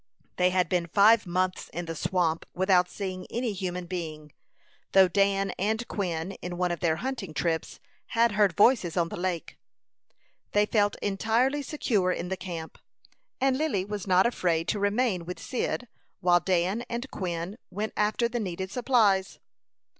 They had been five months in the swamp without seeing any human being, though Dan and Quin, in one of their hunting trips, had heard voices on the lake. They felt entirely secure in the camp, and Lily was not afraid to remain with Cyd while Dan and Quin went after the needed supplies.